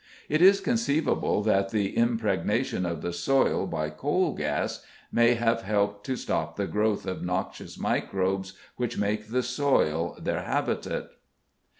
It is conceivable that the impregnation of the soil by coal gas may have helped to stop the growth of noxious microbes which make the soil their habitat.